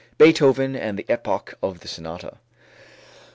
Beethoven and the Epoch of the Sonata.